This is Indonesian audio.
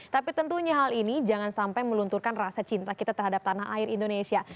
tapi tentunya hal ini jangan sampai melunturkan rasa cinta kita terhadap tanah air indonesia